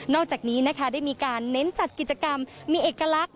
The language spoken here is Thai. อกจากนี้นะคะได้มีการเน้นจัดกิจกรรมมีเอกลักษณ